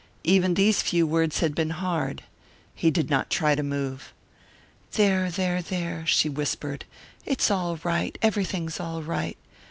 Even these few words had been hard. He did not try more. "There, there, there!" she whispered. "It's all right, everything's all right.